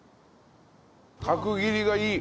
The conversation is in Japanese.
角切りがいい。